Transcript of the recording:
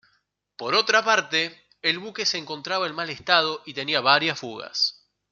Por otra parte, el buque se encontraba en mal estado y tenía varias fugas.